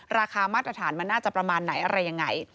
ราคามาตรฐานมันน่าจะประมาณไหนอะไรยังไง